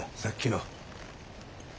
さっきの。